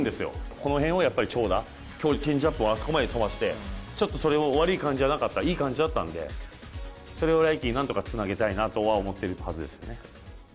この辺を長打、チェンジアップをあそこまで飛ばして、ちょっとそれを悪い感じじゃなかったいい感じだったんで、それを来季何とかつなげたいなと思ってるはずですね。